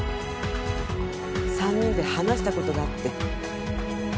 ３人で話した事があって。